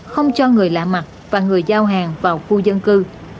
không cho người lạ mặt và người giao hàng vào khu dân cư